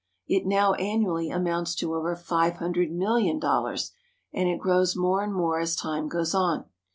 It now annually amounts to over five hundred million dollars, and it grows more and more as time goes on.